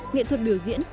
nghệ thuật biểu diễn